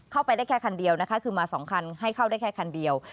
เข้าไปได้แค่คันเดียวนะคะคือมา๒คันให้เข้าได้แค่คันเดียว